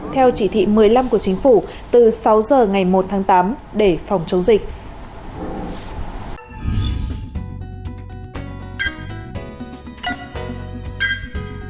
theo chỉ thị một mươi năm của chính phủ từ sáu giờ ngày một tháng tám để phòng chống dịch